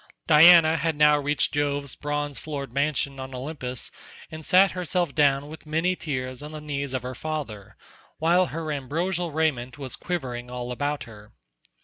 Diana had now reached Jove's bronze floored mansion on Olympus, and sat herself down with many tears on the knees of her father, while her ambrosial raiment was quivering all about her.